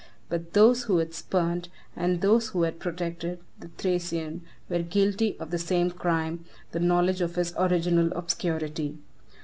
But those who had spurned, and those who had protected, the Thracian, were guilty of the same crime, the knowledge of his original obscurity.